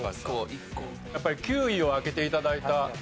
やっぱり９位を開けて頂いた高橋君に。